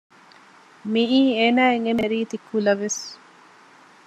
މިއީ އޭނާއަށް އެންމެ ރީތި ކުލަވެސް